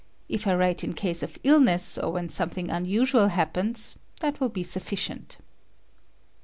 If I write in case of illness or when something unusual happens, that will be sufficient.